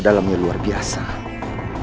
berarti kau melangkangku